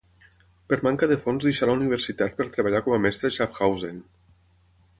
Per manca de fons deixà la universitat per treballar com a mestre a Schaffhausen.